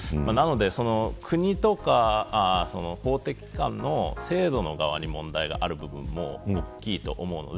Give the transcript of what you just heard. なので、国とか法的機関の制度の側に問題がある部分も大きいと思います。